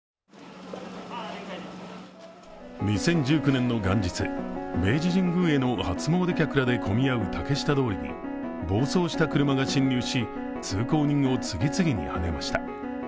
２０１９年の元日、明治神宮への初詣客でにぎわう竹下通りで暴走した車が進入し、通行人を次々にはねました。